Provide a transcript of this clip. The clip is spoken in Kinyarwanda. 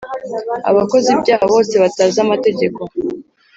Abakoze ibyaha bose batazi amategeko